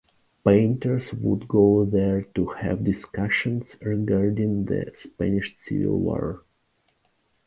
Painters would go there to have discussions regarding the Spanish Civil War.